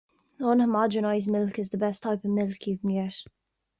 Unhomogenised milk is the best type of milk you can get.